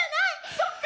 そっか！